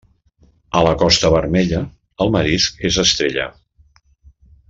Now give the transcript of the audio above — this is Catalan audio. A la Costa Vermella, el marisc és estrella.